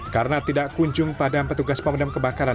karena tidak kunjung pada petugas pemadam kebakaran